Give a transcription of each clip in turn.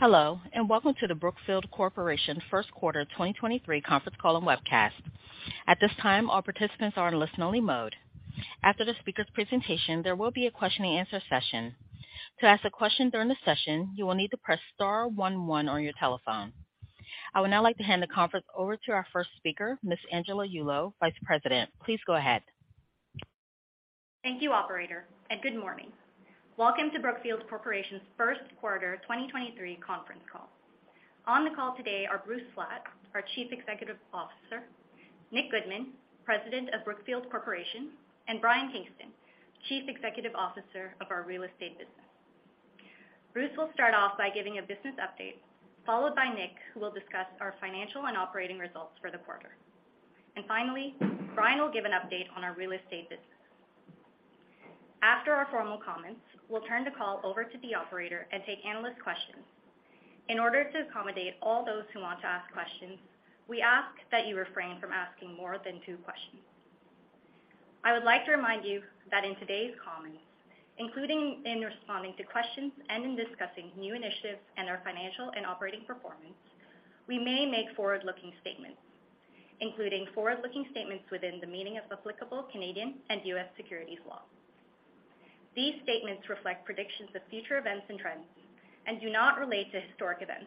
Hello, welcome to the Brookfield Corporation First Quarter 2023 Conference Call and Webcast. At this time, all participants are in listen only mode. After the speakers' presentation, there will be a question and answer session. To ask a question during the session, you will need to press star 11 on your telephone. I would now like to hand the conference over to our first speaker, Ms. Angela Yulo, Vice President. Please go ahead. Thank you operator. Good morning. Welcome to Brookfield Corporation's first quarter 2023 conference call. On the call today are Bruce Flatt, our Chief Executive Officer, Nicholas Goodman, President of Brookfield Corporation, and Brian Kingston, Chief Executive Officer of our Real Estate business. Bruce will start off by giving a business update, followed by Nick, who will discuss our financial and operating results for the quarter. Finally, Brian will give an update on our real estate business. After our formal comments, we'll turn the call over to the operator and take analyst questions. In order to accommodate all those who want to ask questions, we ask that you refrain from asking more than two questions. I would like to remind you that in today's comments, including in responding to questions and in discussing new initiatives and our financial and operating performance, we may make forward-looking statements, including forward-looking statements within the meaning of applicable Canadian and U.S. securities law. These statements reflect predictions of future events and trends and do not relate to historic events.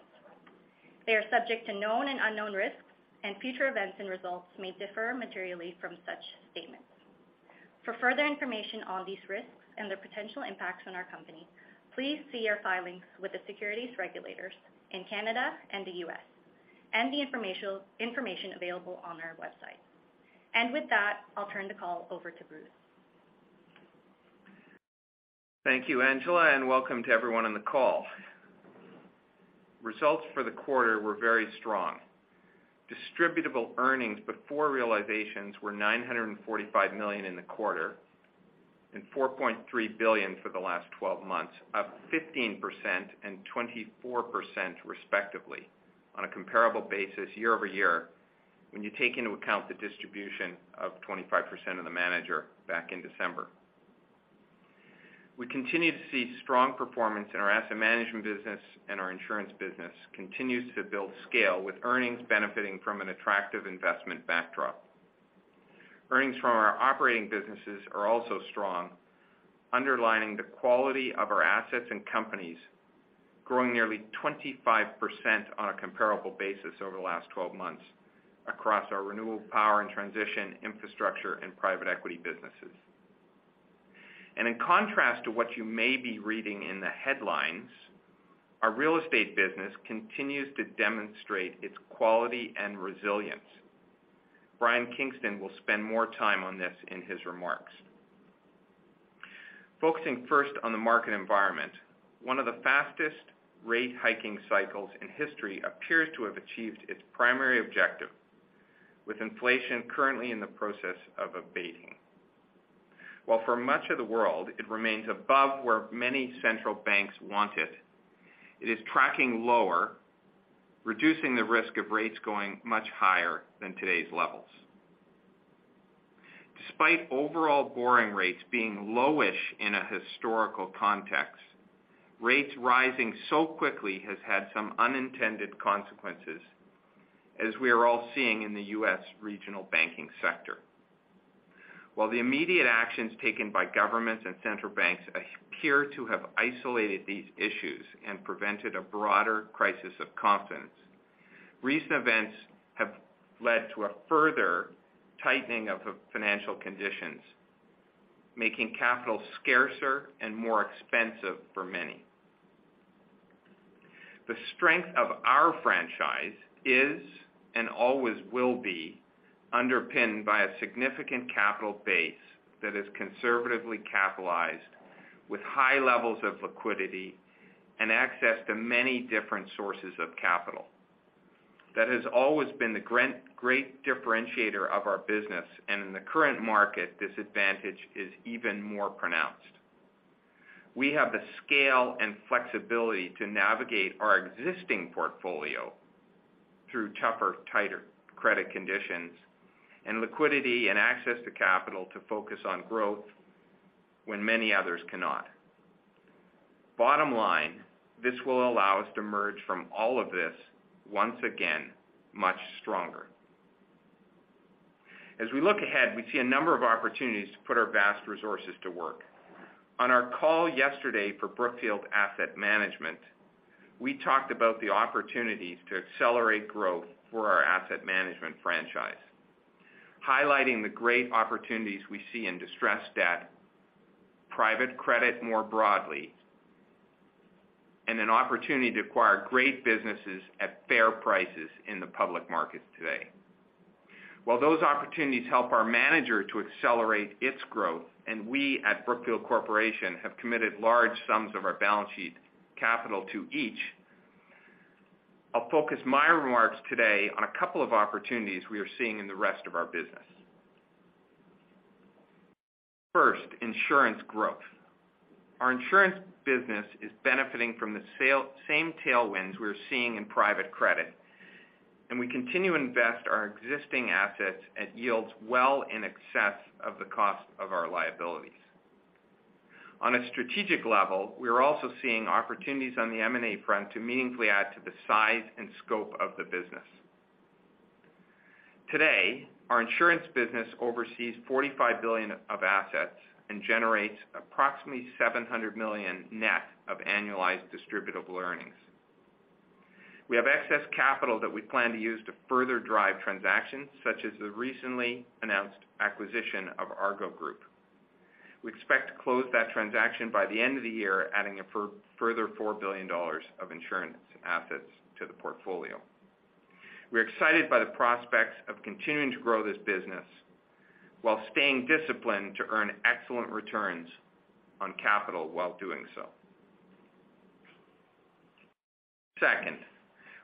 They are subject to known and unknown risks, and future events and results may differ materially from such statements. For further information on these risks and their potential impacts on our company, please see our filings with the securities regulators in Canada and the U.S., and the information available on our website. With that, I'll turn the call over to Bruce. Thank you, Angela. Welcome to everyone on the call. Results for the quarter were very strong. Distributable earnings before realizations were $945 million in the quarter and $4.3 billion for the last 12 months, up 15% and 24% respectively on a comparable basis year-over-year when you take into account the distribution of 25% of the manager back in December. We continue to see strong performance in our asset management business, and our insurance business continues to build scale with earnings benefiting from an attractive investment backdrop. Earnings from our operating businesses are also strong, underlining the quality of our assets and companies, growing nearly 25% on a comparable basis over the last 12 months across our renewable power and transition infrastructure and private equity businesses. In contrast to what you may be reading in the headlines, our real estate business continues to demonstrate its quality and resilience. Brian Kingston will spend more time on this in his remarks. Focusing first on the market environment. One of the fastest rate hiking cycles in history appears to have achieved its primary objective, with inflation currently in the process of abating. While for much of the world it remains above where many central banks want it is tracking lower, reducing the risk of rates going much higher than today's levels. Despite overall borrowing rates being low-ish in a historical context, rates rising so quickly has had some unintended consequences, as we are all seeing in the U.S. regional banking sector. While the immediate actions taken by governments and central banks appear to have isolated these issues and prevented a broader crisis of confidence, recent events have led to a further tightening of financial conditions, making capital scarcer and more expensive for many. The strength of our franchise is and always will be underpinned by a significant capital base that is conservatively capitalized with high levels of liquidity and access to many different sources of capital. That has always been the great differentiator of our business, and in the current market, this advantage is even more pronounced. We have the scale and flexibility to navigate our existing portfolio through tougher, tighter credit conditions and liquidity and access to capital to focus on growth when many others cannot. Bottom line, this will allow us to emerge from all of this, once again, much stronger. As we look ahead, we see a number of opportunities to put our vast resources to work. On our call yesterday for Brookfield Asset Management, we talked about the opportunities to accelerate growth for our asset management franchise, highlighting the great opportunities we see in distressed debt, private credit more broadly, and an opportunity to acquire great businesses at fair prices in the public markets today. While those opportunities help our manager to accelerate its growth, and we at Brookfield Corporation have committed large sums of our balance sheet capital to each, I'll focus my remarks today on a couple of opportunities we are seeing in the rest of our business. First, insurance growth. Our insurance business is benefiting from the same tailwinds we are seeing in private credit. We continue to invest our existing assets at yields well in excess of the cost of our liabilities. On a strategic level, we are also seeing opportunities on the M&A front to meaningfully add to the size and scope of the business. Today, our insurance business oversees $45 billion of assets and generates approximately $700 million net of annualized distributable earnings. We have excess capital that we plan to use to further drive transactions, such as the recently announced acquisition of Argo Group. We expect to close that transaction by the end of the year, adding a further $4 billion of insurance assets to the portfolio. We're excited by the prospects of continuing to grow this business while staying disciplined to earn excellent returns on capital while doing so. Second,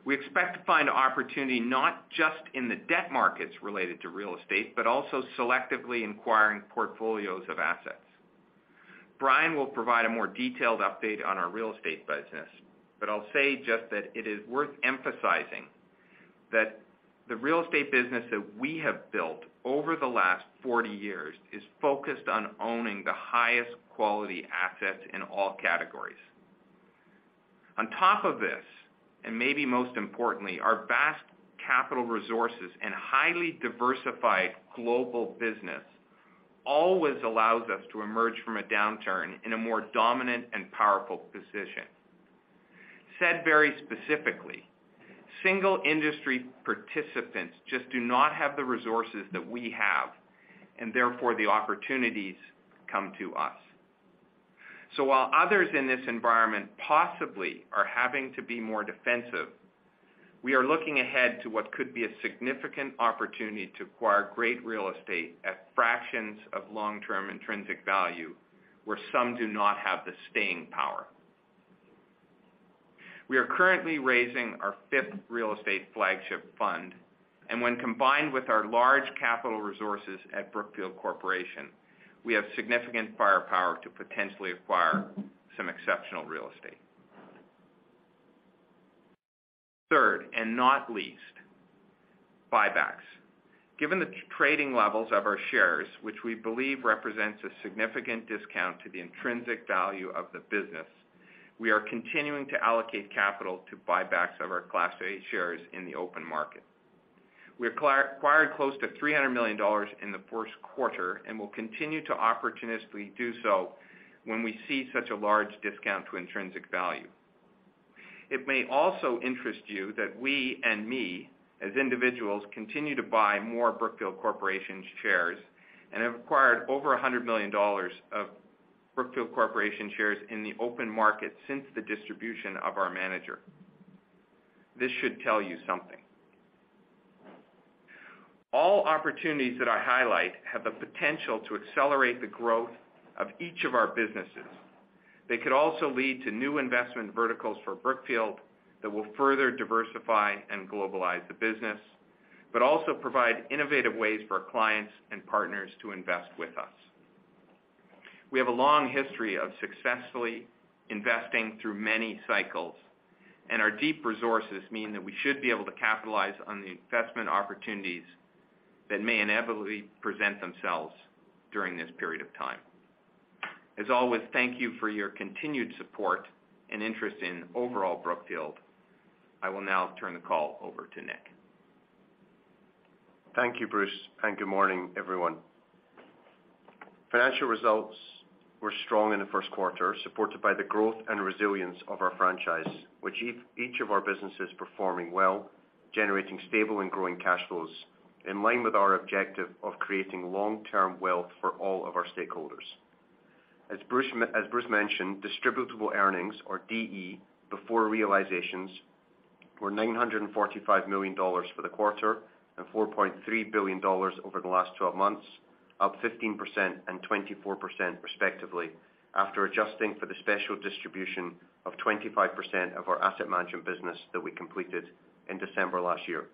we expect to find opportunity not just in the debt markets related to real estate, but also selectively inquiring portfolios of assets. Brian will provide a more detailed update on our real estate business, but I'll say just that it is worth emphasizing that the real estate business that we have built over the last 40 years is focused on owning the highest quality assets in all categories. On top of this, and maybe most importantly, our vast capital resources and highly diversified global business always allows us to emerge from a downturn in a more dominant and powerful position. Said very specifically, single industry participants just do not have the resources that we have, and therefore the opportunities come to us. While others in this environment possibly are having to be more defensive, we are looking ahead to what could be a significant opportunity to acquire great real estate at fractions of long-term intrinsic value where some do not have the staying power. We are currently raising our fifth real estate flagship fund, and when combined with our large capital resources at Brookfield Corporation, we have significant firepower to potentially acquire some exceptional real estate. Third, not least, buybacks. Given the trading levels of our shares, which we believe represents a significant discount to the intrinsic value of the business, we are continuing to allocate capital to buybacks of our Class A shares in the open market. We acquired close to $300 million in the 1st quarter and will continue to opportunistically do so when we see such a large discount to intrinsic value. It may also interest you that we and me, as individuals, continue to buy more Brookfield Corporation's shares and have acquired over $100 million of Brookfield Corporation shares in the open market since the distribution of our manager. This should tell you something. All opportunities that I highlight have the potential to accelerate the growth of each of our businesses. They could also lead to new investment verticals for Brookfield that will further diversify and globalize the business, also provide innovative ways for our clients and partners to invest with us. We have a long history of successfully investing through many cycles. Our deep resources mean that we should be able to capitalize on the investment opportunities that may inevitably present themselves during this period of time. As always, thank you for your continued support and interest in overall Brookfield. I will now turn the call over to Nick. Thank you, Bruce, and good morning, everyone. Financial results were strong in the first quarter, supported by the growth and resilience of our franchise, which each of our businesses performing well, generating stable and growing cash flows in line with our objective of creating long-term wealth for all of our stakeholders. As Bruce mentioned, distributable earnings, or DE, before realizations were $945 million for the quarter and $4.3 billion over the last 12 months, up 15% and 24% respectively, after adjusting for the special distribution of 25% of our asset management business that we completed in December last year.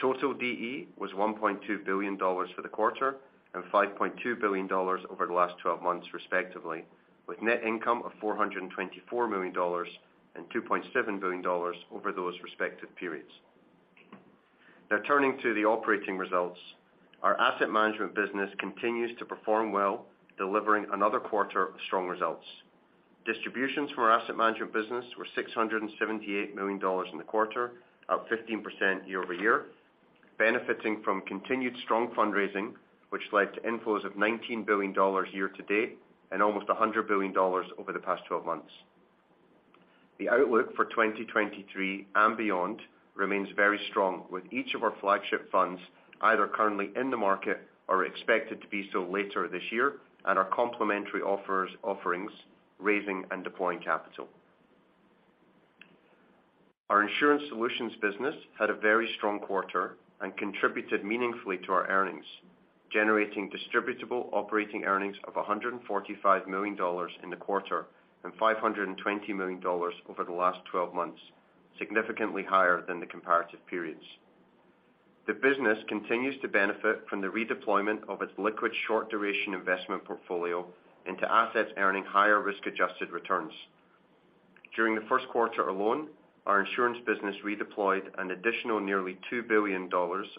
Total DE was $1.2 billion for the quarter and $5.2 billion over the last 12 months respectively, with net income of $424 million and $2.7 billion over those respective periods. Now turning to the operating results. Our Asset Management business continues to perform well, delivering another quarter of strong results. Distributions from our Asset Management business were $678 million in the quarter, up 15% year-over-year, benefiting from continued strong fundraising, which led to inflows of $19 billion year to date and almost $100 billion over the past 12 months. The outlook for 2023 and beyond remains very strong, with each of our flagship funds either currently in the market or expected to be so later this year, and our complementary offerings, raising and deploying capital. Our insurance solutions business had a very strong quarter and contributed meaningfully to our earnings, generating distributable operating earnings of $145 million in the quarter and $520 million over the last 12 months, significantly higher than the comparative periods. The business continues to benefit from the redeployment of its liquid short duration investment portfolio into assets earning higher risk-adjusted returns. During the first quarter alone, our insurance business redeployed an additional nearly $2 billion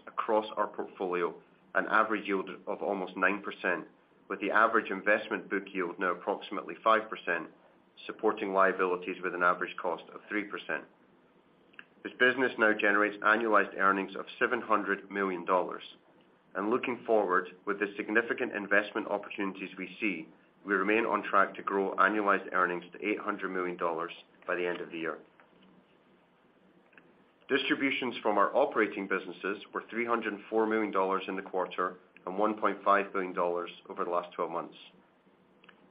across our portfolio, an average yield of almost 9%, with the average investment book yield now approximately 5%, supporting liabilities with an average cost of 3%. This business now generates annualized earnings of $700 million. Looking forward, with the significant investment opportunities we see, we remain on track to grow annualized earnings to $800 million by the end of the year. Distributions from our operating businesses were $304 million in the quarter and $1.5 billion over the last 12 months.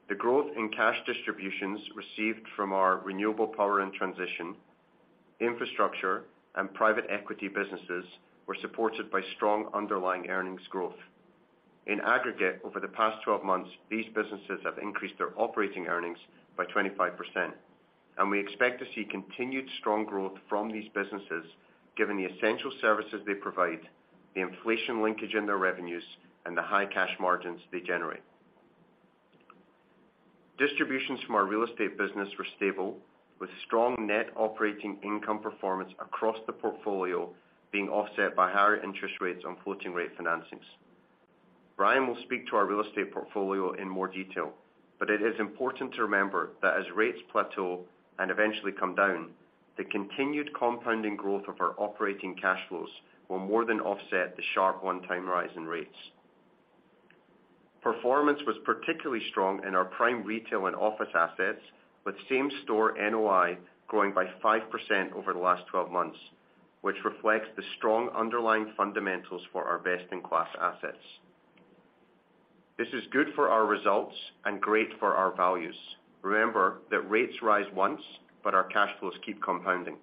The growth in cash distributions received from our renewable power and transition, infrastructure, and private equity businesses were supported by strong underlying earnings growth. In aggregate, over the past 12 months, these businesses have increased their operating earnings by 25%, and we expect to see continued strong growth from these businesses given the essential services they provide, the inflation linkage in their revenues, and the high cash margins they generate. Distributions from our real estate business were stable, with strong net operating income performance across the portfolio being offset by higher interest rates on floating rate financings. Brian will speak to our real estate portfolio in more detail. It is important to remember that as rates plateau and eventually come down, the continued compounding growth of our operating cash flows will more than offset the sharp one-time rise in rates. Performance was particularly strong in our prime retail and office assets, with same store NOI growing by 5% over the last 12 months, which reflects the strong underlying fundamentals for our best-in-class assets. This is good for our results and great for our values. Remember that rates rise once. Our cash flows keep compounding.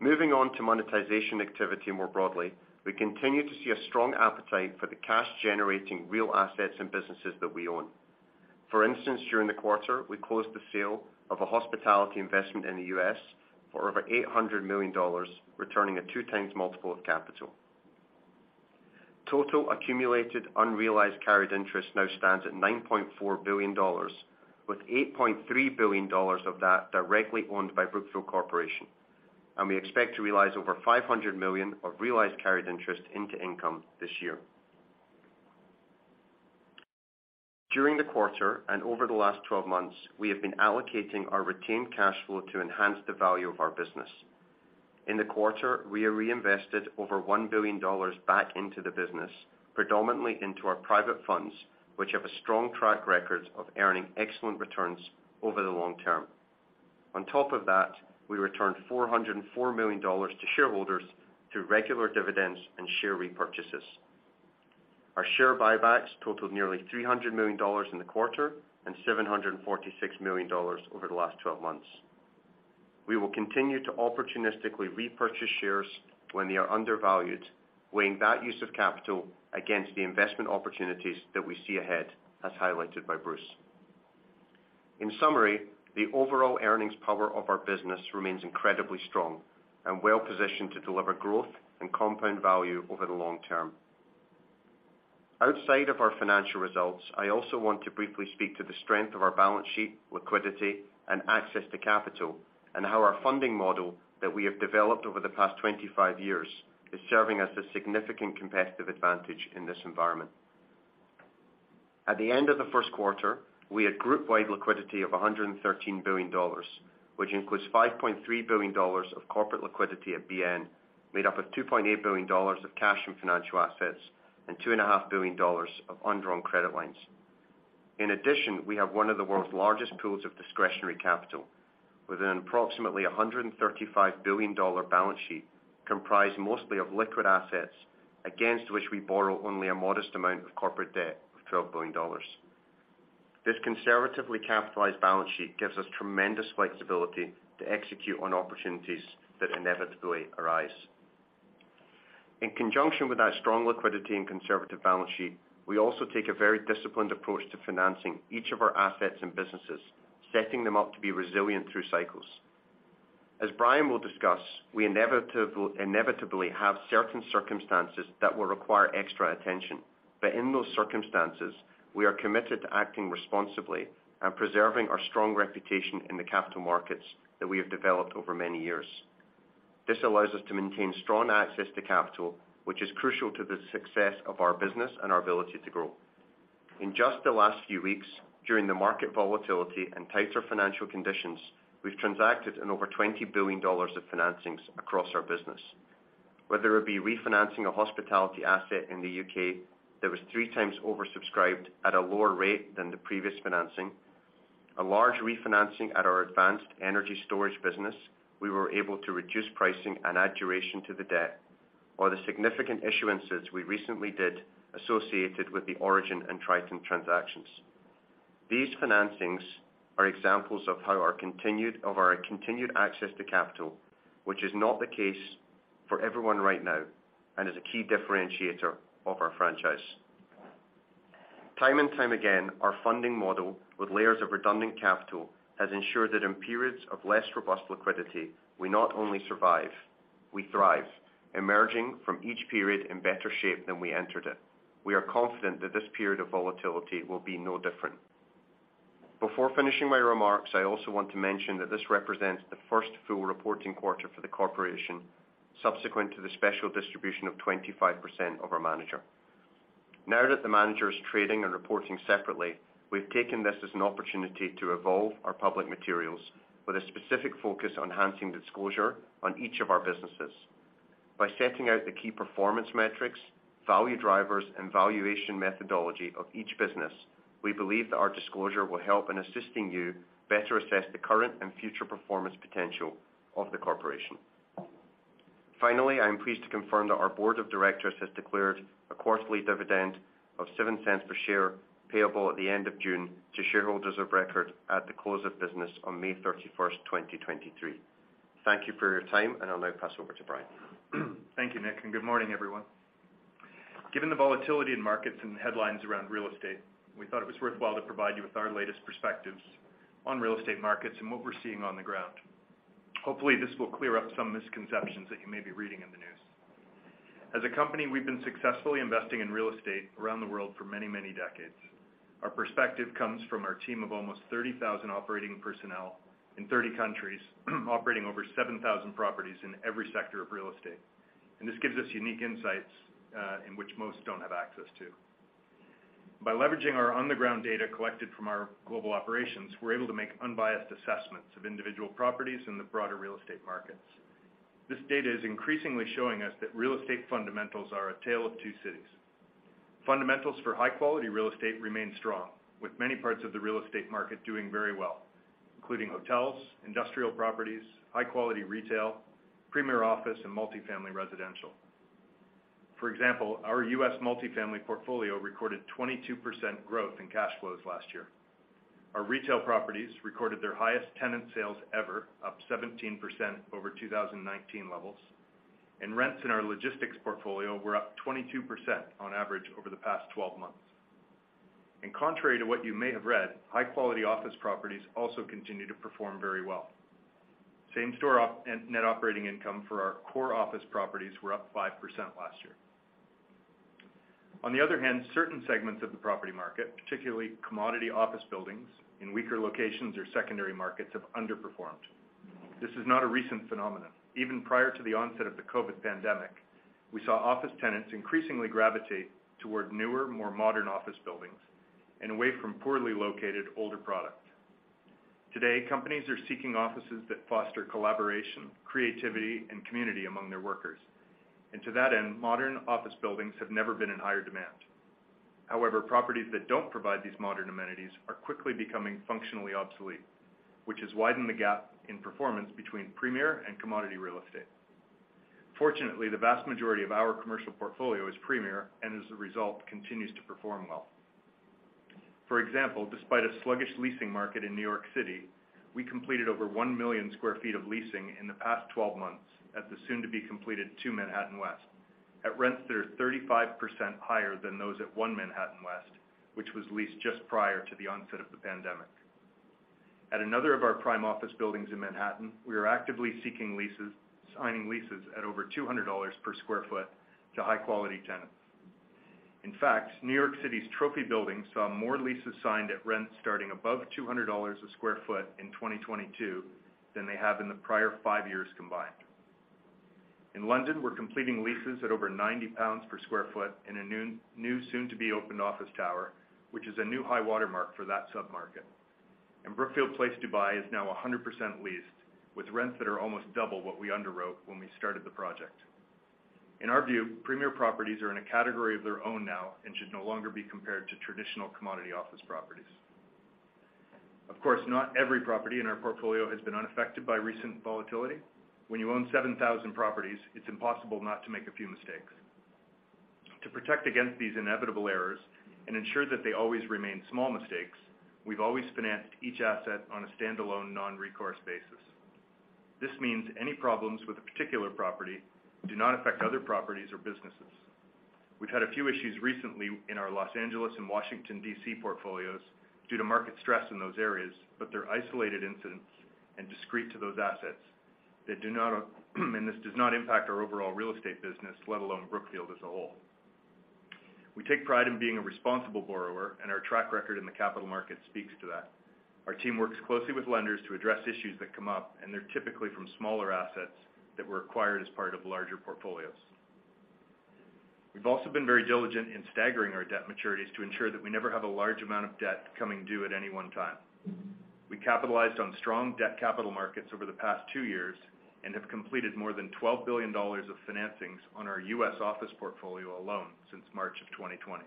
Moving on to monetization activity more broadly, we continue to see a strong appetite for the cash-generating real assets and businesses that we own. For instance, during the quarter, we closed the sale of a hospitality investment in the U.S. for over $800 million, returning a 2x multiple of capital. Total accumulated unrealized carried interest now stands at $9.4 billion, with $8.3 billion of that directly owned by Brookfield Corporation. We expect to realize over $500 million of realized carried interest into income this year. During the quarter and over the last 12 months, we have been allocating our retained cash flow to enhance the value of our business. In the quarter, we reinvested over $1 billion back into the business, predominantly into our private funds, which have a strong track record of earning excellent returns over the long term. On top of that, we returned $404 million to shareholders through regular dividends and share repurchases. Our share buybacks totaled nearly $300 million in the quarter and $746 million over the last 12 months. We will continue to opportunistically repurchase shares when they are undervalued, weighing that use of capital against the investment opportunities that we see ahead, as highlighted by Bruce. In summary, the overall earnings power of our business remains incredibly strong and well-positioned to deliver growth and compound value over the long term. Outside of our financial results, I also want to briefly speak to the strength of our balance sheet, liquidity and access to capital, and how our funding model that we have developed over the past 25 years is serving as a significant competitive advantage in this environment. At the end of the first quarter, we had group-wide liquidity of $113 billion, which includes $5.3 billion of corporate liquidity at BN, made up of $2.8 billion of cash and financial assets and two and a half billion dollars of undrawn credit lines. In addition, we have one of the world's largest pools of discretionary capital with an approximately $135 billion balance sheet comprised mostly of liquid assets, against which we borrow only a modest amount of corporate debt of $12 billion. This conservatively capitalized balance sheet gives us tremendous flexibility to execute on opportunities that inevitably arise. Conjunction with that strong liquidity and conservative balance sheet, we also take a very disciplined approach to financing each of our assets and businesses, setting them up to be resilient through cycles. As Brian will discuss, we inevitably have certain circumstances that will require extra attention. In those circumstances, we are committed to acting responsibly and preserving our strong reputation in the capital markets that we have developed over many years. This allows us to maintain strong access to capital, which is crucial to the success of our business and our ability to grow. Just the last few weeks, during the market volatility and tighter financial conditions, we've transacted in over $20 billion of financings across our business. Whether it be refinancing a hospitality asset in the U.K. that was 3x oversubscribed at a lower rate than the previous financing, a large refinancing at our advanced energy storage business, we were able to reduce pricing and add duration to the debt or the significant issuances we recently did associated with the Origin and Triton transactions. These financings are examples of how our continued access to capital, which is not the case for everyone right now and is a key differentiator of our franchise. Time and time again, our funding model with layers of redundant capital has ensured that in periods of less robust liquidity, we not only survive, we thrive, emerging from each period in better shape than we entered it. We are confident that this period of volatility will be no different. Before finishing my remarks, I also want to mention that this represents the first full reporting quarter for the corporation subsequent to the special distribution of 25% of our manager. Now that the manager is trading and reporting separately, we've taken this as an opportunity to evolve our public materials with a specific focus on enhancing disclosure on each of our businesses. By setting out the key performance metrics, value drivers, and valuation methodology of each business, we believe that our disclosure will help in assisting you better assess the current and future performance potential of the corporation. Finally, I am pleased to confirm that our Board of Directors has declared a quarterly dividend of $0.07 per share payable at the end of June to shareholders of record at the close of business on May 31st, 2023. Thank you for your time, and I'll now pass over to Brian. Thank you, Nick. Good morning, everyone. Given the volatility in markets and headlines around real estate, we thought it was worthwhile to provide you with our latest perspectives on real estate markets and what we're seeing on the ground. Hopefully, this will clear up some misconceptions that you may be reading in the news. As a company, we've been successfully investing in real estate around the world for many decades. Our perspective comes from our team of almost 30,000 operating personnel in 30 countries operating over 7,000 properties in every sector of real estate. This gives us unique insights in which most don't have access to. By leveraging our on-the-ground data collected from our global operations, we're able to make unbiased assessments of individual properties in the broader real estate markets. This data is increasingly showing us that real estate fundamentals are a tale of two cities. Fundamentals for high-quality real estate remain strong, with many parts of the real estate market doing very well, including hotels, industrial properties, high-quality retail, premier office, and multifamily residential. For example, our U.S. multifamily portfolio recorded 22% growth in cash flows last year. Our retail properties recorded their highest tenant sales ever, up 17% over 2019 levels. Rents in our logistics portfolio were up 22% on average over the past 12 months. Contrary to what you may have read, high-quality office properties also continue to perform very well. Same store net operating income for our core office properties were up 5% last year. On the other hand, certain segments of the property market, particularly commodity office buildings in weaker locations or secondary markets, have underperformed. This is not a recent phenomenon. Even prior to the onset of the COVID pandemic, we saw office tenants increasingly gravitate toward newer, more modern office buildings and away from poorly located older products. Today, companies are seeking offices that foster collaboration, creativity, and community among their workers. To that end, modern office buildings have never been in higher demand. However, properties that don't provide these modern amenities are quickly becoming functionally obsolete, which has widened the gap in performance between premier and commodity real estate. Fortunately, the vast majority of our commercial portfolio is premier, and as a result, continues to perform well. For example, despite a sluggish leasing market in New York City, we completed over 1 million sq ft of leasing in the past 12 months at the soon-to-be-completed Two Manhattan West at rents that are 35% higher than those at One Manhattan West, which was leased just prior to the onset of the pandemic. At another of our prime office buildings in Manhattan, we are actively signing leases at over $200 per sq ft to high-quality tenants. In fact, New York City's trophy buildings saw more leases signed at rents starting above $200 a sq ft in 2022 than they have in the prior five years combined. In London, we're completing leases at over 90 pounds per sq ft in a new soon-to-be-opened office tower, which is a new high watermark for that sub-market. Brookfield Place Dubai is now 100% leased, with rents that are almost double what we underwrote when we started the project. In our view, premier properties are in a category of their own now and should no longer be compared to traditional commodity office properties. Of course, not every property in our portfolio has been unaffected by recent volatility. When you own 7,000 properties, it's impossible not to make a few mistakes. To protect against these inevitable errors and ensure that they always remain small mistakes, we've always financed each asset on a standalone, non-recourse basis. This means any problems with a particular property do not affect other properties or businesses. We've had a few issues recently in our Los Angeles and Washington, D.C. portfolios due to market stress in those areas, they're isolated incidents and discrete to those assets that does not impact our overall real estate business, let alone Brookfield as a whole. We take pride in being a responsible borrower, our track record in the capital market speaks to that. Our team works closely with lenders to address issues that come up, they're typically from smaller assets that were acquired as part of larger portfolios. We've also been very diligent in staggering our debt maturities to ensure that we never have a large amount of debt coming due at any one time. We capitalized on strong debt capital markets over the past two years and have completed more than $12 billion of financings on our U.S. office portfolio alone since March of 2020.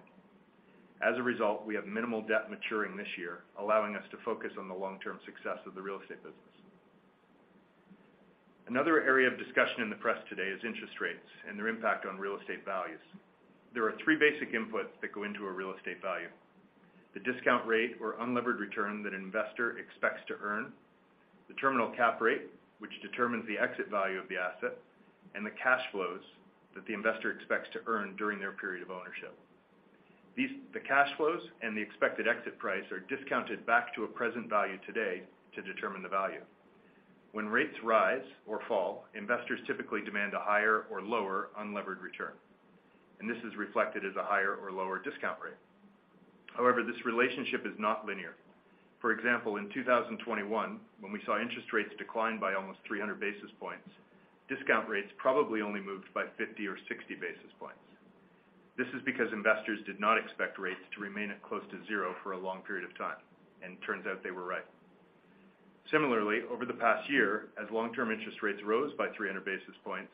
As a result, we have minimal debt maturing this year, allowing us to focus on the long-term success of the real estate business. Another area of discussion in the press today is interest rates and their impact on real estate values. There are three basic inputs that go into a real estate value: The discount rate or unlevered return that an investor expects to earn. The terminal cap rate, which determines the exit value of the asset and the cash flows that the investor expects to earn during their period of ownership. These, the cash flows and the expected exit price are discounted back to a present value today to determine the value. When rates rise or fall, investors typically demand a higher or lower unlevered return, and this is reflected as a higher or lower discount rate. However, this relationship is not linear. For example, in 2021, when we saw interest rates decline by almost 300 basis points, discount rates probably only moved by 50 or 60 basis points. This is because investors did not expect rates to remain at close to zero for a long period of time, and it turns out they were right. Similarly, over the past year, as long-term interest rates rose by 300 basis points,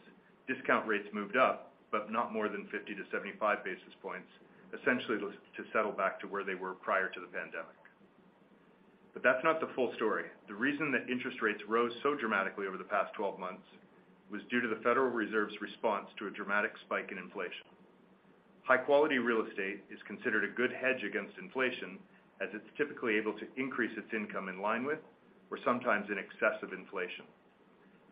discount rates moved up, but not more than 50-75 basis points, essentially to settle back to where they were prior to the pandemic. That's not the full story. The reason that interest rates rose so dramatically over the past 12 months was due to the Federal Reserve's response to a dramatic spike in inflation. High-quality real estate is considered a good hedge against inflation, as it's typically able to increase its income in line with or sometimes in excess of inflation.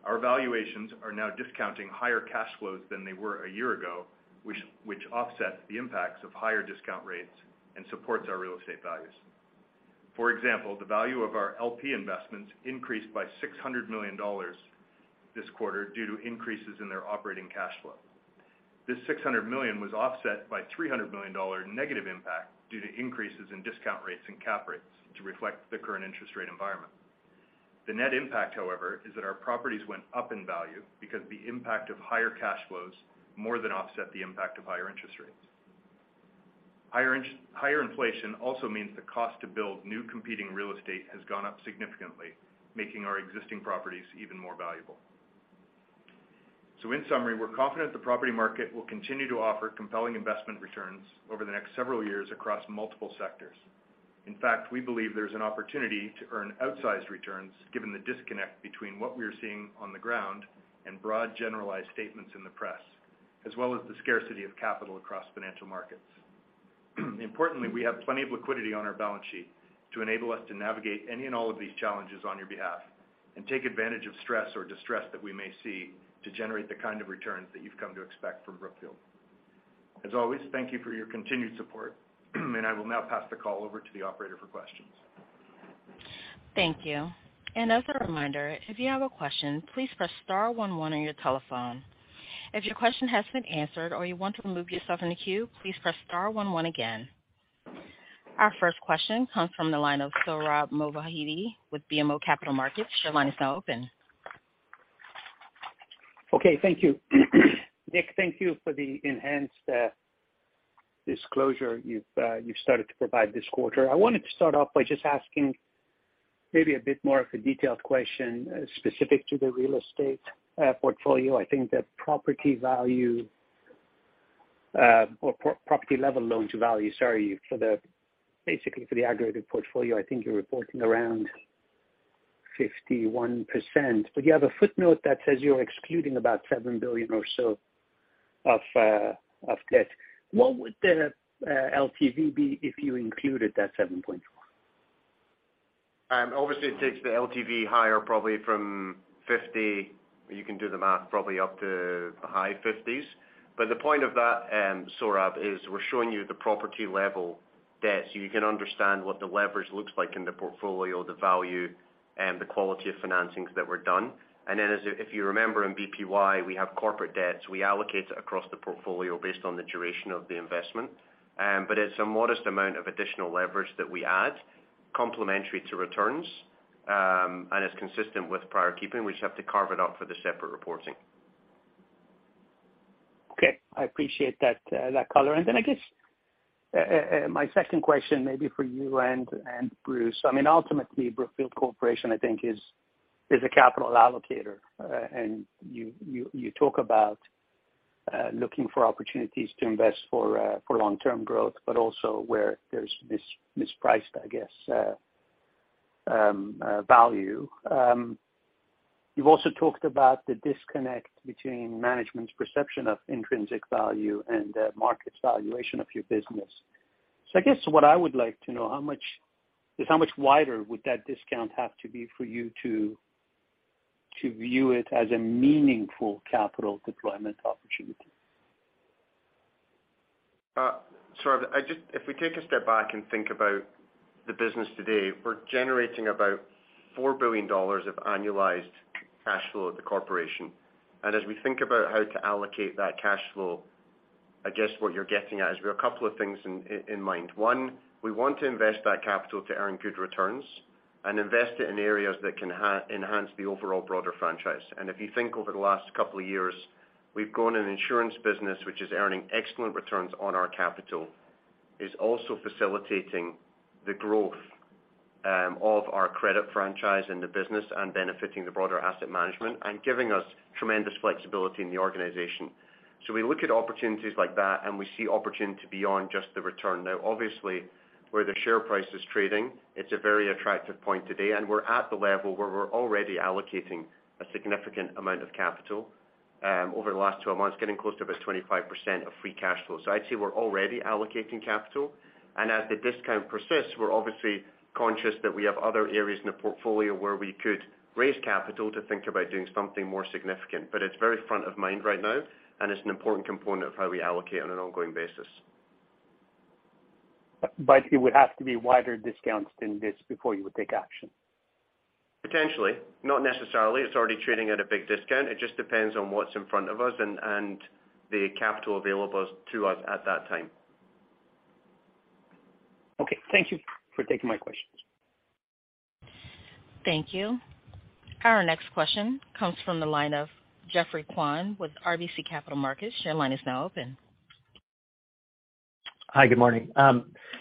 Our valuations are now discounting higher cash flows than they were a year ago, which offsets the impacts of higher discount rates and supports our real estate values. For example, the value of our LP investments increased by $600 million this quarter due to increases in their operating cash flow. This $600 million was offset by a $300 million negative impact due to increases in discount rates and cap rates to reflect the current interest rate environment. The net impact, however, is that our properties went up in value because the impact of higher cash flows more than offset the impact of higher interest rates. Higher inflation also means the cost to build new competing real estate has gone up significantly, making our existing properties even more valuable. In summary, we're confident the property market will continue to offer compelling investment returns over the next several years across multiple sectors. In fact, we believe there's an opportunity to earn outsized returns given the disconnect between what we are seeing on the ground and broad, generalized statements in the press, as well as the scarcity of capital across financial markets. Importantly, we have plenty of liquidity on our balance sheet to enable us to navigate any and all of these challenges on your behalf and take advantage of stress or distress that we may see to generate the kind of returns that you've come to expect from Brookfield. As always, thank you for your continued support, and I will now pass the call over to the operator for questions. Thank you. As a reminder, if you have a question, please press star one one on your telephone. If your question has been answered or you want to remove yourself from the queue, please press star one one again. Our first question comes from the line of Sohrab Movahedi with BMO Capital Markets. Your line is now open. Okay. Thank you. Nick, thank you for the enhanced disclosure you've started to provide this quarter. I wanted to start off by just asking maybe a bit more of a detailed question specific to the real estate portfolio. I think that property value, or property level loans value, sorry, for the, basically for the aggregated portfolio, I think you're reporting around 51%. You have a footnote that says you're excluding about $7 billion or so of debt. What would the LTV be if you included that $7.4 billion? Obviously it takes the LTV higher, probably from 50%, you can do the math, probably up to the high 50s. The point of that, Sohrab, is we're showing you the property-level debt so you can understand what the leverage looks like in the portfolio, the value, and the quality of financings that were done. As, if you remember in BPY, we have corporate debts. We allocate it across the portfolio based on the duration of the investment. It's a modest amount of additional leverage that we add complementary to returns, and it's consistent with prior keeping. We just have to carve it out for the separate reporting. Okay. I appreciate that color. I guess my second question may be for you and Bruce. I mean, ultimately, Brookfield Corporation, I think is a capital allocator. You talk about looking for opportunities to invest for long-term growth, but also where there's mispriced, I guess, value. You've also talked about the disconnect between management's perception of intrinsic value and the market's valuation of your business. I guess what I would like to know, how much wider would that discount have to be for you to view it as a meaningful capital deployment opportunity? Sohrab, if we take a step back and think about the business today, we're generating about $4 billion of annualized cash flow at Brookfield Corporation. As we think about how to allocate that cash flow, I guess what you're getting at is we have a couple of things in mind. One, we want to invest that capital to earn good returns and invest it in areas that can enhance the overall broader franchise. If you think over the last couple of years, we've gone an insurance business, which is earning excellent returns on our capital. It's also facilitating the growth of our credit franchise in the business and benefiting the broader Brookfield Asset Management and giving us tremendous flexibility in the organization. We look at opportunities like that, and we see opportunity beyond just the return. Obviously, where the share price is trading, it's a very attractive point today, and we're at the level where we're already allocating a significant amount of capital. Over the last 12 months, getting close to about 25% of free cash flow. I'd say we're already allocating capital. As the discount persists, we're obviously conscious that we have other areas in the portfolio where we could raise capital to think about doing something more significant. It's very front of mind right now, and it's an important component of how we allocate on an ongoing basis. It would have to be wider discounts than this before you would take action. Potentially. Not necessarily. It's already trading at a big discount. It just depends on what's in front of us and the capital available to us at that time. Okay. Thank you for taking my questions. Thank you. Our next question comes from the line of Geoffrey Kwan with RBC Capital Markets. Your line is now open. Hi. Good morning.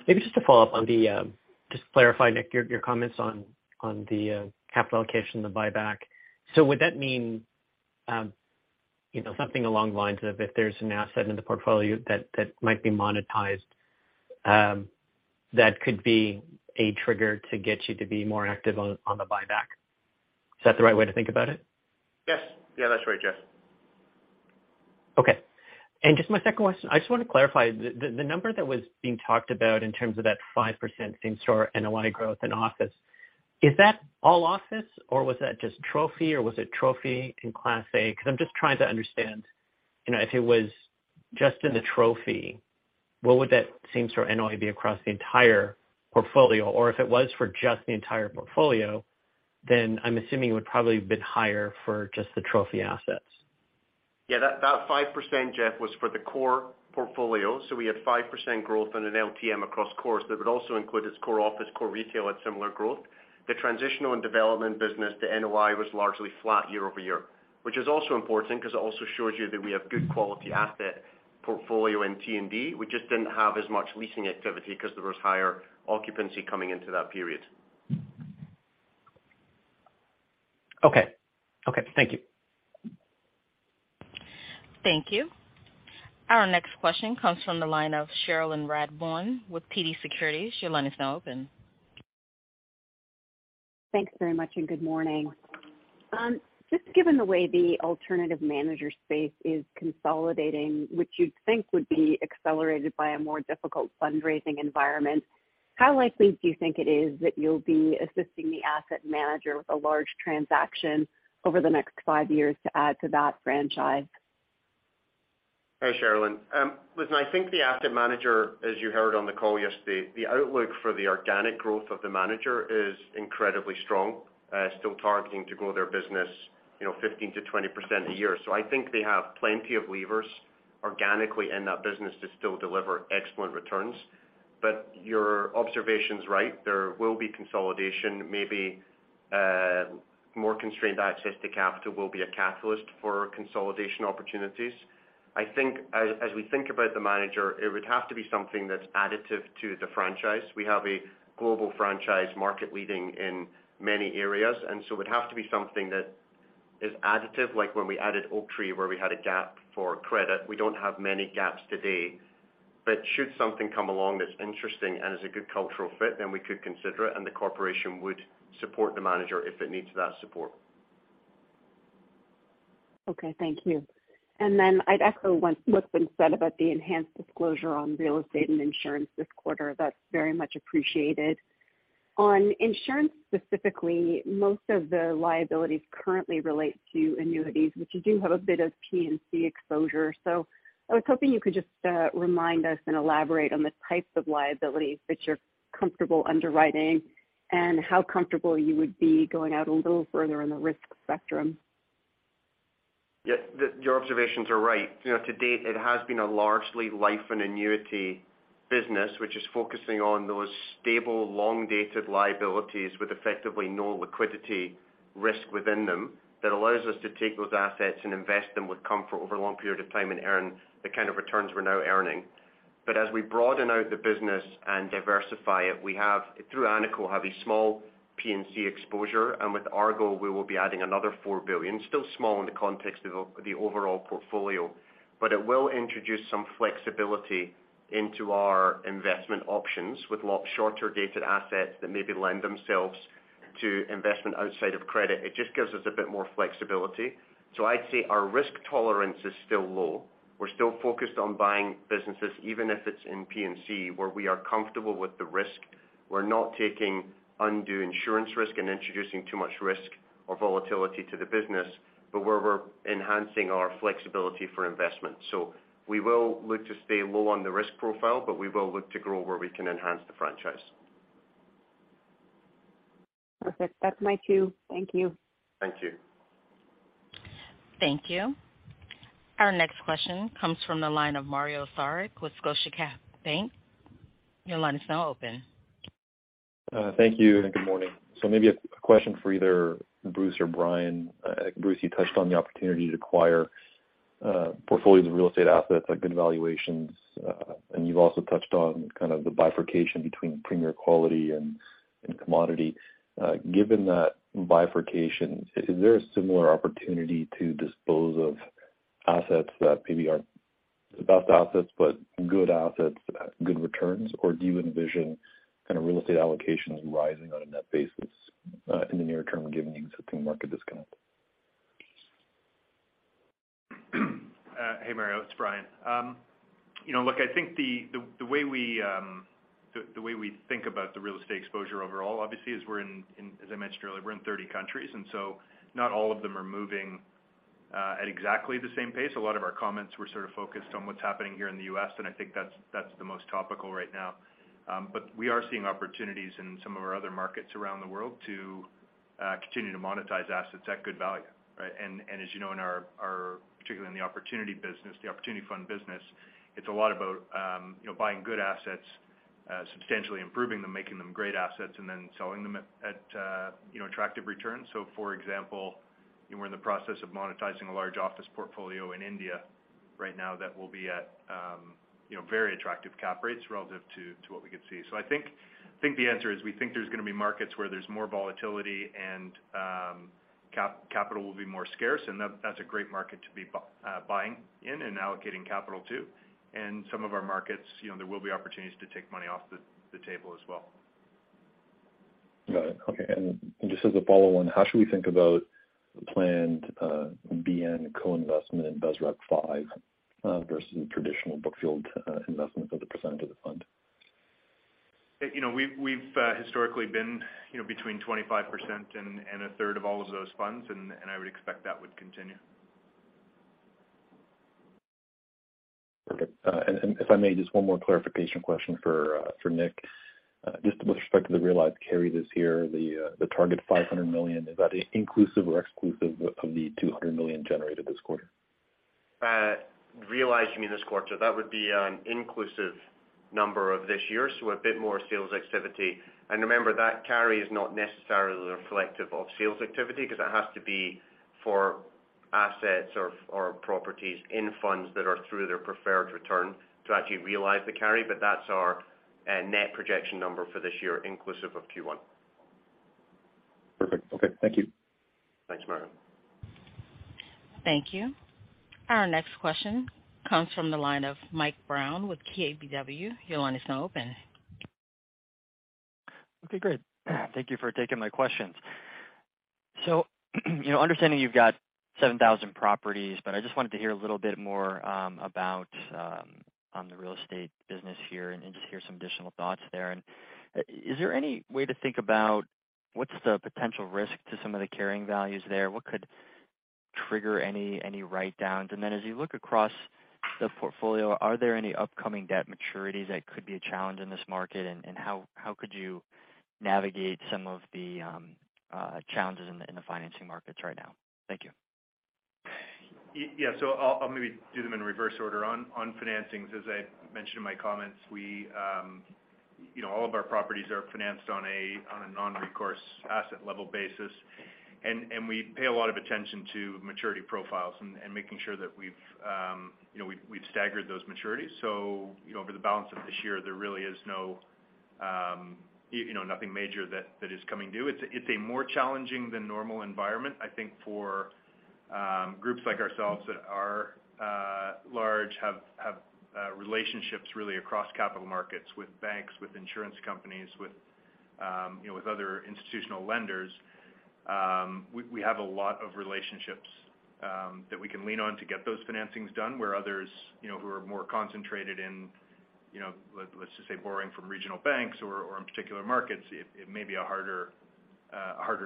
Maybe just to follow up on the, just to clarify, Nick, your comments on the capital allocation, the buyback. Would that mean, you know, something along the lines of if there's an asset in the portfolio that might be monetized, that could be a trigger to get you to be more active on the buyback? Is that the right way to think about it? Yeah, that's right, Jeff. Okay. Just my second question, I just wanna clarify. The number that was being talked about in terms of that 5% same store NOI growth in office, is that all office, or was that just Trophy, or was it Trophy and Class A? I'm just trying to understand, you know, if it was just in the Trophy, what would that same store NOI be across the entire portfolio? If it was for just the entire portfolio, then I'm assuming it would probably have been higher for just the Trophy assets. Yeah, that 5%, Jeff, was for the core portfolio. We had 5% growth on an LTM across cores. That would also include its core office, core retail at similar growth. The transitional and development business, the NOI was largely flat year-over-year, which is also important 'cause it also shows you that we have good quality asset portfolio in T&D. We just didn't have as much leasing activity because there was higher occupancy coming into that period. Okay, thank you. Thank you. Our next question comes from the line of Cherilyn Radbourne with TD Securities. Your line is now open. Thanks very much, good morning. Just given the way the alternative manager space is consolidating, which you'd think would be accelerated by a more difficult fundraising environment, how likely do you think it is that you'll be assisting the asset manager with a large transaction over the next five years to add to that franchise? Hi, Cherilyn. listen, I think the asset manager, as you heard on the call yesterday, the outlook for the organic growth of the manager is incredibly strong, still targeting to grow their business, you know, 15%-20% a year. I think they have plenty of levers organically in that business to still deliver excellent returns. Your observation's right. There will be consolidation. Maybe, more constrained access to capital will be a catalyst for consolidation opportunities. I think as we think about the manager, it would have to be something that's additive to the franchise. We have a global franchise market leading in many areas, it would have to be something that is additive, like when we added Oaktree, where we had a gap for credit. We don't have many gaps today. Should something come along that's interesting and is a good cultural fit, then we could consider it, and the corporation would support the manager if it needs that support. Okay, thank you. I'd echo what's been said about the enhanced disclosure on real estate and insurance this quarter. That's very much appreciated. On insurance specifically, most of the liabilities currently relate to annuities, but you do have a bit of P&C exposure. I was hoping you could just remind us and elaborate on the types of liabilities that you're comfortable underwriting and how comfortable you would be going out a little further in the risk spectrum. Yeah. Your observations are right. You know, to date it has been a largely life and annuity business, which is focusing on those stable, long-dated liabilities with effectively no liquidity risk within them. That allows us to take those assets and invest them with comfort over a long period of time and earn the kind of returns we're now earning. As we broaden out the business and diversify it, we have, through ANICO, have a small P&C exposure, and with Argo, we will be adding another $4 billion. Still small in the context of the overall portfolio, but it will introduce some flexibility into our investment options with lot shorter-dated assets that maybe lend themselves to investment outside of credit. It just gives us a bit more flexibility. I'd say our risk tolerance is still low. We're still focused on buying businesses, even if it's in P&C, where we are comfortable with the risk. We're not taking undue insurance risk and introducing too much risk or volatility to the business, but where we're enhancing our flexibility for investment. We will look to stay low on the risk profile, but we will look to grow where we can enhance the franchise. Perfect. That's my Q. Thank you. Thank you. Thank you. Our next question comes from the line of Mario Saric with Scotiabank. Your line is now open. Thank you and good morning. Maybe a question for either Bruce or Brian. Bruce, you touched on the opportunity to acquire portfolios of real estate assets at good valuations, and you've also touched on kind of the bifurcation between premier quality and commodity. Given that bifurcation, is there a similar opportunity to dispose of assets that maybe are the best assets, but good assets, good returns? Do you envision kind of real estate allocations rising on a net basis in the near term, given the existing market discount? Hey, Mario, it's Brian. You know, look, I think the way we think about the real estate exposure overall obviously is we're as I mentioned earlier, we're in 30 countries. Not all of them are moving at exactly the same pace. A lot of our comments were sort of focused on what's happening here in the U.S., and I think that's the most topical right now. We are seeing opportunities in some of our other markets around the world to continue to monetize assets at good value, right? As you know, in our particularly in the opportunity business, the opportunity fund business, it's a lot about, you know, buying good assets, substantially improving them, making them great assets, and then selling them at, you know, attractive returns. For example, we're in the process of monetizing a large office portfolio in India right now that will be at, you know, very attractive cap rates relative to what we could see. I think the answer is we think there's gonna be markets where there's more volatility and capital will be more scarce, and that's a great market to be buying in and allocating capital to. Some of our markets, you know, there will be opportunities to take money off the table as well. Got it. Okay. Just as a follow-on, how should we think about the planned BN co-investment in BSREP V versus traditional Brookfield investments as a percent of the fund? You know, we've historically been, you know, between 25% and a third of all of those funds, and I would expect that would continue. Okay. If I may, just one more clarification question for Nick. Just with respect to the realized carry this year, the target $500 million, is that inclusive or exclusive of the $200 million generated this quarter? Realized you mean this quarter. That would be an inclusive number of this year, so a bit more sales activity. Remember, that carry is not necessarily reflective of sales activity because it has to be for assets or properties in funds that are through their preferred return to actually realize the carry. That's our net projection number for this year, inclusive of Q1. Perfect. Okay. Thank you. Thanks, Mario. Thank you. Our next question comes from the line of Mike Brown with KBW. Your line is now open. Okay, great. Thank you for taking my questions. You know understanding you've got 7,000 properties, but I just wanted to hear a little bit more about on the real estate business here and just hear some additional thoughts there. Is there any way to think about what's the potential risk to some of the carrying values there? What could trigger any write downs? Then as you look across the portfolio, are there any upcoming debt maturities that could be a challenge in this market? How could you navigate some of the challenges in the financing markets right now? Thank you. Yeah. I'll maybe do them in reverse order. On financings, as I mentioned in my comments, we, you know, all of our properties are financed on a non-recourse asset level basis. We pay a lot of attention to maturity profiles and making sure that we've, you know, we've staggered those maturities. You know, over the balance of this year, there really is no, you know, nothing major that is coming due. It's a more challenging than normal environment, I think, for groups like ourselves that are large, have relationships really across capital markets with banks, with insurance companies, with, you know, with other institutional lenders. We have a lot of relationships that we can lean on to get those financings done where others, you know, who are more concentrated in, you know, let's just say borrowing from regional banks or in particular markets, it may be a harder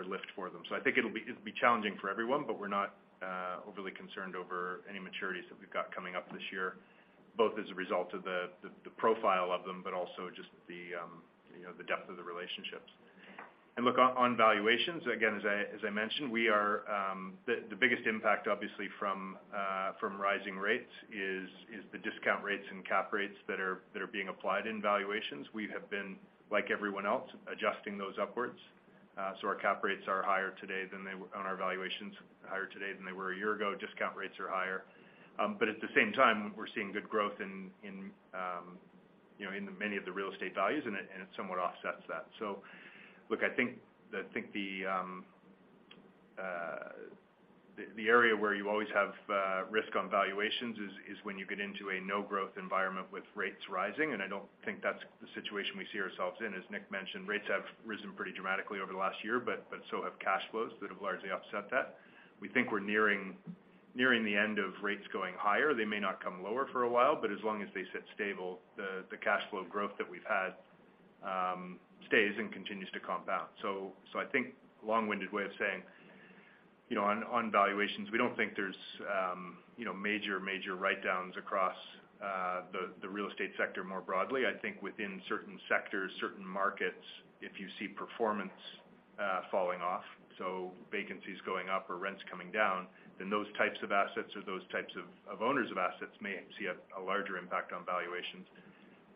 lift for them. I think it'll be challenging for everyone. We're not overly concerned over any maturities that we've got coming up this year, both as a result of the profile of them, but also just the, you know, the depth of the relationships. Look, on valuations, again, as I mentioned, we are. The biggest impact obviously from rising rates is the discount rates and cap rates that are being applied in valuations. We have been, like everyone else, adjusting those upwards. Our cap rates are higher today on our valuations, higher today than they were a year ago. Discount rates are higher. At the same time, we're seeing good growth, you know, in many of the real estate values and it somewhat offsets that. Look, I think the area where you always have risk on valuations is when you get into a no growth environment with rates rising. I don't think that's the situation we see ourselves in. As Nick mentioned, rates have risen pretty dramatically over the last year, but so have cash flows that have largely offset that. We think we're nearing the end of rates going higher. They may not come lower for a while, but as long as they sit stable, the cash flow growth that we've had stays and continues to compound. I think long-winded way of saying, you know, on valuations, we don't think there's, you know, major write-downs across the real estate sector more broadly. I think within certain sectors, certain markets, if you see performance falling off, so vacancies going up or rents coming down, then those types of assets or those types of owners of assets may see a larger impact on valuations.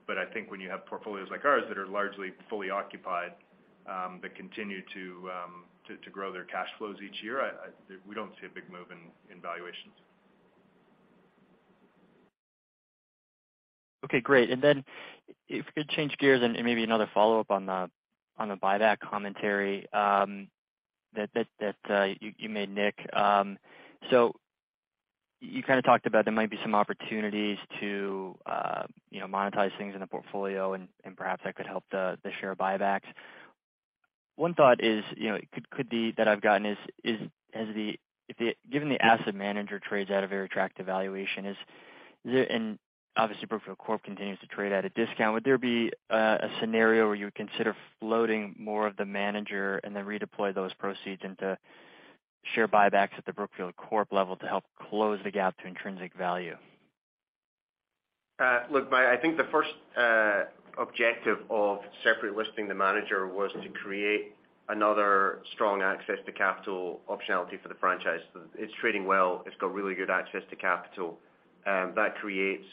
I think when you have portfolios like ours that are largely fully occupied, that continue to grow their cash flows each year, we don't see a big move in valuations. Okay, great. Then if we could change gears and maybe another follow-up on the, on the buyback commentary, that you made Nick. You kind of talked about there might be some opportunities to, you know, monetize things in the portfolio and perhaps that could help the share buybacks. One thought is, you know, could be that I've gotten is as given the asset manager trades at a very attractive valuation, obviously Brookfield Corp continues to trade at a discount. Would there be a scenario where you would consider floating more of the manager and then redeploy those proceeds into share buybacks at the Brookfield Corp level to help close the gap to intrinsic value? Look, I think the first objective of separately listing the manager was to create another strong access to capital optionality for the franchise. It's trading well, it's got really good access to capital, that creates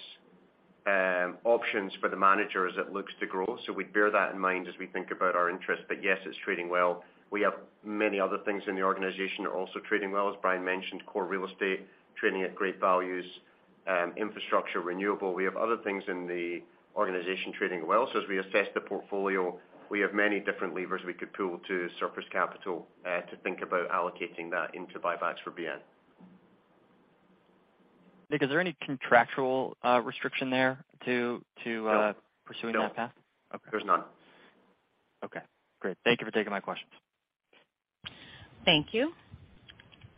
options for the manager as it looks to grow. We bear that in mind as we think about our interest. Yes, it's trading well. We have many other things in the organization that are also trading well. As Brian mentioned, core real estate trading at great values, infrastructure, renewable. We have other things in the organization trading well. As we assess the portfolio, we have many different levers we could pull to surface capital, to think about allocating that into buybacks for BN. Nick, is there any contractual restriction there to pursuing that path? No. There's none. Okay, great. Thank you for taking my questions. Thank you.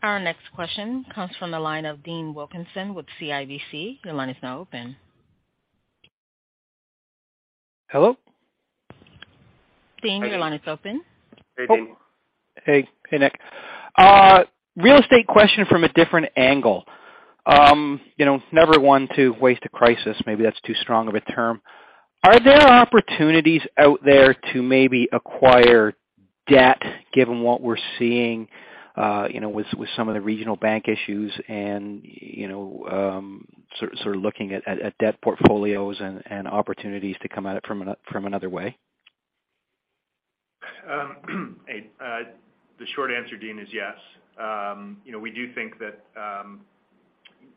Our next question comes from the line of Dean Wilkinson with CIBC. Your line is now open. Hello? Dean, your line is open. Hey, Dean. Hey, Nick. Real estate question from a different angle. You know, never one to waste a crisis, maybe that's too strong of a term. Are there opportunities out there to maybe acquire debt given what we're seeing, you know, with some of the regional bank issues and, you know, sort of looking at debt portfolios and opportunities to come at it from another way? The short answer, Dean, is yes. You know, we do think that,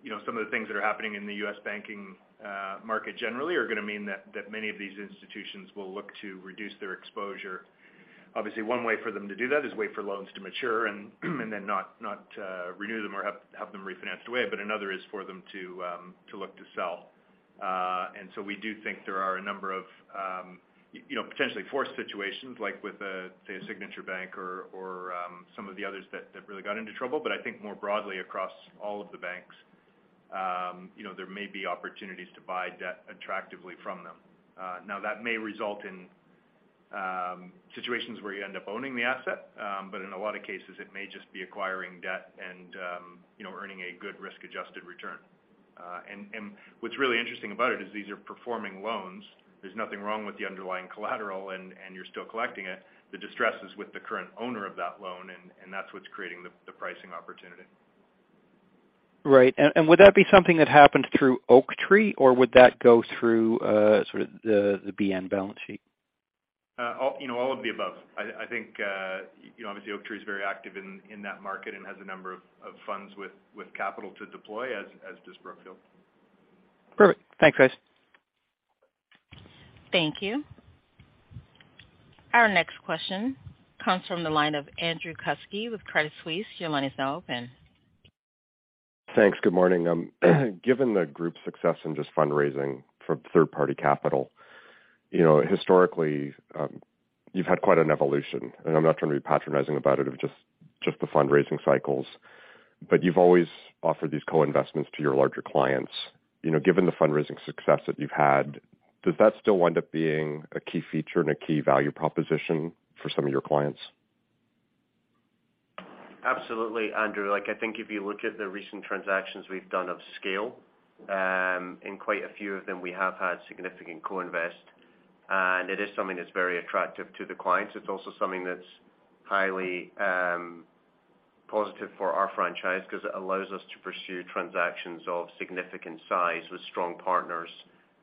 you know, some of the things that are happening in the U.S. banking market generally are gonna mean that many of these institutions will look to reduce their exposure. Obviously, one way for them to do that is wait for loans to mature and then not renew them or have them refinanced away, but another is for them to look to sell. We do think there are a number of, you know, potentially forced situations like with a, say, a Signature Bank or some of the others that really got into trouble. I think more broadly across all of the banks, you know, there may be opportunities to buy debt attractively from them. Now that may result in situations where you end up owning the asset, but in a lot of cases, it may just be acquiring debt and, you know, earning a good risk-adjusted return. What's really interesting about it is these are performing loans. There's nothing wrong with the underlying collateral and you're still collecting it. The distress is with the current owner of that loan, and that's what's creating the pricing opportunity. Right. Would that be something that happens through Oaktree, or would that go through, sort of the BN balance sheet? All, you know, all of the above. I think, you know, obviously Oaktree is very active in that market and has a number of funds with capital to deploy, as does Brookfield. Perfect. Thanks, guys. Thank you. Our next question comes from the line of Andrew Kuske with Credit Suisse. Your line is now open. Thanks. Good morning. Given the group's success in just fundraising from third-party capital, you know, historically, you've had quite an evolution, and I'm not trying to be patronizing about it, of just the fundraising cycles. You've always offered these co-investments to your larger clients. You know, given the fundraising success that you've had, does that still wind up being a key feature and a key value proposition for some of your clients? Absolutely, Andrew. Like, I think if you look at the recent transactions we've done of scale, in quite a few of them, we have had significant co-invest, and it is something that's very attractive to the clients. It's also something that's highly positive for our franchise because it allows us to pursue transactions of significant size with strong partners,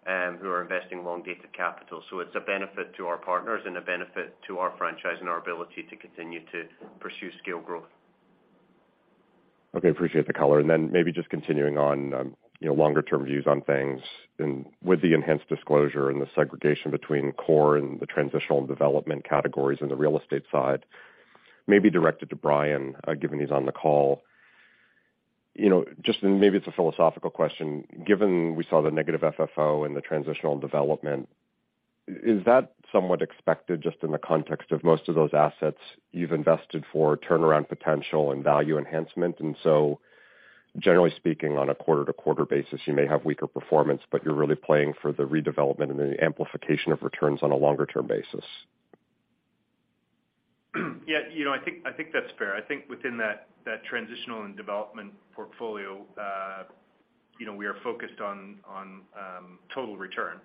who are investing long dated capital. It's a benefit to our partners and a benefit to our franchise and our ability to continue to pursue scale growth. Okay. Appreciate the color. Maybe just continuing on, you know, longer term views on things and with the enhanced disclosure and the segregation between core and the transitional development categories in the Real Estate side, maybe direct it to Brian, given he's on the call. You know, just maybe it's a philosophical question. Given we saw the negative FFO in the transitional development, is that somewhat expected just in the context of most of those assets you've invested for turnaround potential and value enhancement? Generally speaking, on a quarter-to-quarter basis, you may have weaker performance, but you're really playing for the redevelopment and the amplification of returns on a longer term basis. Yeah. You know, I think that's fair. I think within that transitional and development portfolio, you know, we are focused on total return.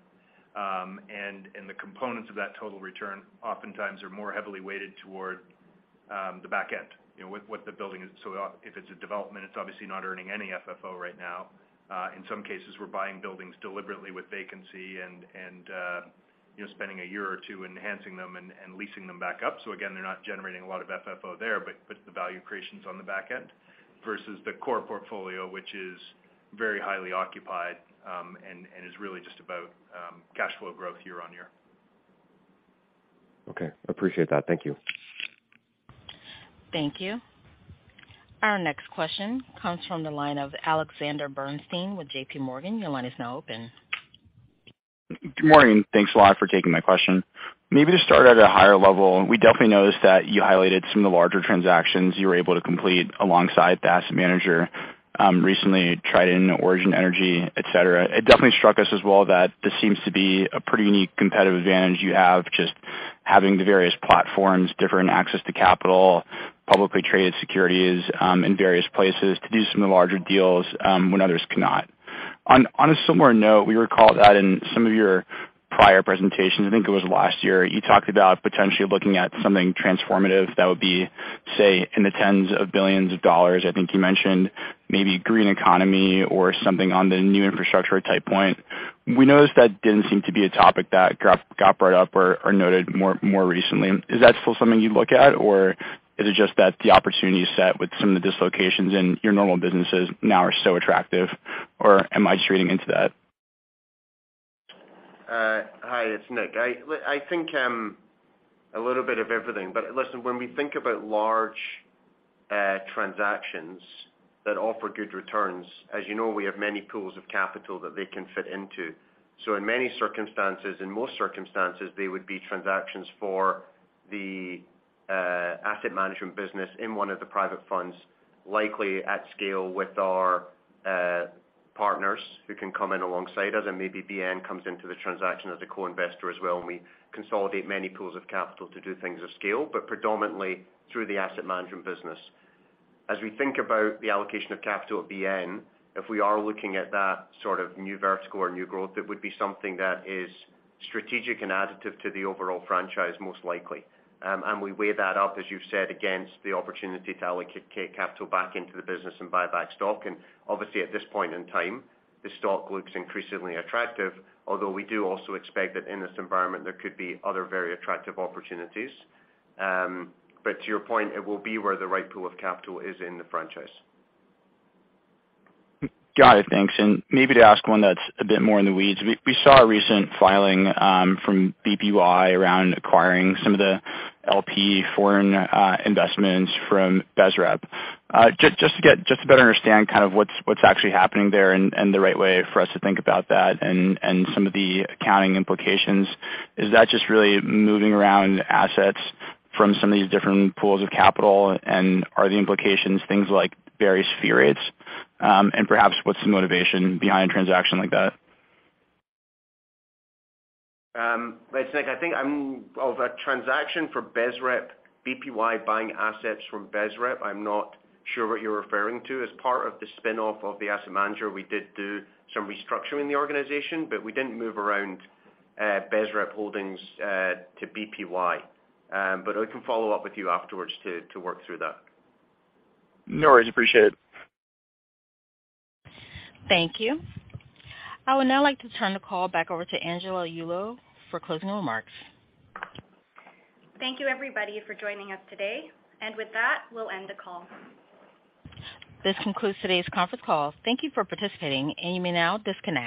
And the components of that total return oftentimes are more heavily weighted toward the back end. You know, what the building is. If it's a development, it's obviously not earning any FFO right now. In some cases, we're buying buildings deliberately with vacancy and. You're spending a year or two enhancing them and leasing them back up. Again, they're not generating a lot of FFO there, but the value creation's on the back end versus the core portfolio, which is very highly occupied, and is really just about cash flow growth year-on-year. Okay. Appreciate that. Thank you. Thank you. Our next question comes from the line of Alexander Bernstein with JPMorgan. Your line is now open. Good morning. Thanks a lot for taking my question. Maybe to start at a higher level, we definitely noticed that you highlighted some of the larger transactions you were able to complete alongside the asset manager, recently, Triton, Origin Energy, et cetera. It definitely struck us as well that this seems to be a pretty unique competitive advantage you have just having the various platforms, different access to capital, publicly traded securities, in various places to do some of the larger deals, when others cannot. On a similar note, we recall that in some of your prior presentations, I think it was last year, you talked about potentially looking at something transformative that would be, say, in the tens of billions of dollars. I think you mentioned maybe green economy or something on the new infrastructure type point. We noticed that didn't seem to be a topic that got brought up or noted more recently. Is that still something you'd look at, or is it just that the opportunity set with some of the dislocations in your normal businesses now are so attractive, or am I just reading into that? Hi, it's Nick. I think a little bit of everything. Listen, when we think about large transactions that offer good returns, as you know, we have many pools of capital that they can fit into. In many circumstances, in most circumstances, they would be transactions for the asset management business in one of the private funds, likely at scale with our partners who can come in alongside us, and maybe BN comes into the transaction as a co-investor as well, and we consolidate many pools of capital to do things of scale, but predominantly through the asset management business. As we think about the allocation of capital at BN, if we are looking at that sort of new vertical or new growth, it would be something that is strategic and additive to the overall franchise, most likely. We weigh that up, as you've said, against the opportunity to allocate capital back into the business and buy back stock. Obviously, at this point in time, the stock looks increasingly attractive, although we do also expect that in this environment, there could be other very attractive opportunities. To your point, it will be where the right pool of capital is in the franchise. Got it. Thanks. Maybe to ask one that's a bit more in the weeds. We saw a recent filing from BPY around acquiring some of the LP foreign investments from BSREP. just to better understand kind of what's actually happening there and the right way for us to think about that and some of the accounting implications, is that just really moving around assets from some of these different pools of capital, and are the implications things like various fee rates? Perhaps what's the motivation behind a transaction like that? It's Nick. I think of a transaction for BSREP, BPY buying assets from BSREP, I'm not sure what you're referring to. As part of the spinoff of the asset manager, we did do some restructuring in the organization, but we didn't move around BSREP holdings to BPY. We can follow up with you afterwards to work through that. No worries. Appreciate it. Thank you. I would now like to turn the call back over to Angela Yulo for closing remarks. Thank you, everybody, for joining us today. With that, we'll end the call. This concludes today's conference call. Thank you for participating, you may now disconnect.